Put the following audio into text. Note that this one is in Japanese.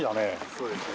そうですね。